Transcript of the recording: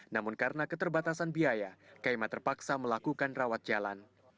namun karena keterbatasan biaya kaima terpaksa melakukan rawat jalan